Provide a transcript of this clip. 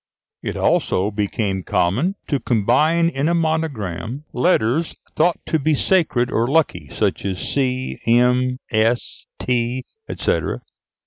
It also became common to combine in a monogram letters thought to be sacred or lucky, such as C, M, S, T, &c.